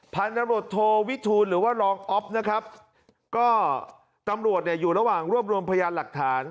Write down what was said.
พันธุ์ตำรวจโทวิทูลหรือว่ารองอ๊อฟนะครับก็ตำรวจเนี่ยอยู่ระหว่างรวบรวมพยานหลักฐาน